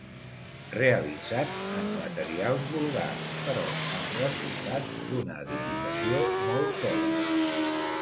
Realitzat en materials vulgars però amb resultat d'una edificació molt sòlida.